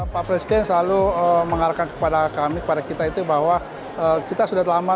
pak presiden selalu mengarahkan kepada kami kepada kita itu bahwa kita sudah lama